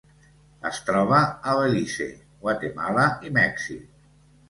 Es troba a Belize, Guatemala i Mèxic.